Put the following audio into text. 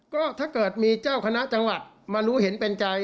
ก็ถ้าเกิดมีเจ้าคณะจังหวัดมารู้เห็นเป็นใจ